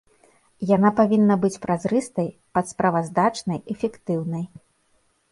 Яна павінна быць празрыстай, падсправаздачнай, эфектыўнай.